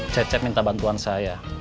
cet cet minta bantuan saya